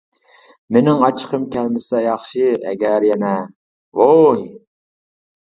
مېنىڭ ئاچچىقىم كەلمىسە ياخشى، ئەگەر يەنە. -ۋوي!